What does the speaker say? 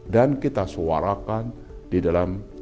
dan kita suarakan di dalam g dua puluh ini